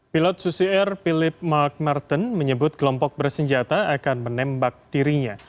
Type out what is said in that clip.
pilot susi air philip mark martin menyebut kelompok bersenjata akan menembak dirinya